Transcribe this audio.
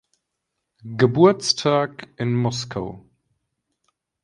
Geburtstag in Moskau.